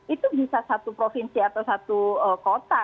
itu bisa satu provinsi atau satu kota